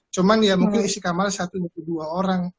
cuma ya mungkin isi kamar satu dua orang